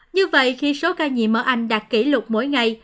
như vậy khi số ca nhiễm ở anh đạt kỷ lục mỗi ngày